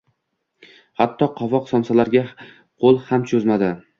Hatto, qovoq somsalarga qo`l ham cho`zmadi